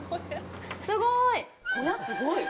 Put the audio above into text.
すごい！